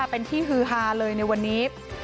เป็นที่ฮือฮาเลยในวันนี้